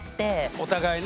お互いね。